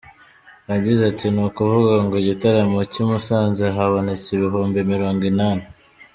Yagize ati “Ni ukuvuga ngo igitaramo cy’i Musanze habonetse ibihumbi mirongo inani.